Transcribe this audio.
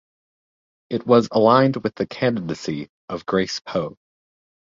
It was aligned with the candidacy of Grace Poe.